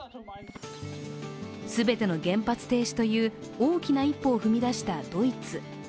全ての原発停止という大きな一歩を踏み出したドイツ。